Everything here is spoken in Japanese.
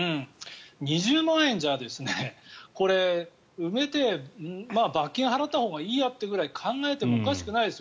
２０万円じゃこれ、埋めて罰金を払ったほうがいいやっていうぐらい考えてもおかしくないですよ。